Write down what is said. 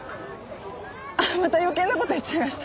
あっまた余計な事言っちゃいました。